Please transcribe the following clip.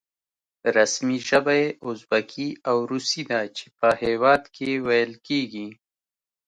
رسمي ژبه یې ازبکي او روسي ده چې په هېواد کې ویل کېږي.